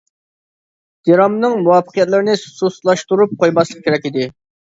دىرامىنىڭ مۇۋەپپەقىيەتلىرىنى سۇسلاشتۇرۇپ قويماسلىق كېرەك ئىدى.